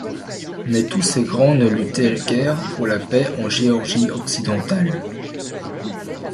Mais tous ces grands ne luttaient guère pour la paix en Géorgie occidentale.